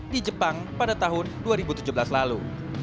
di jepang pada tahun dua ribu tujuh belas lalu